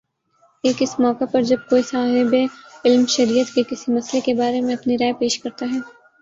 ایک اس موقع پر جب کوئی صاحبِ علم شریعت کے کسی مئلے کے بارے میں اپنی رائے پیش کرتا ہے